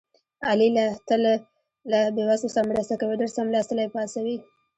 علي له تل له بې وزلو سره مرسته کوي. ډېر څملاستلي پاڅوي.